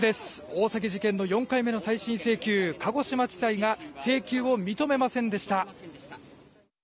大崎事件の４回目の再審請求鹿児島地裁が請求を認めませんでした。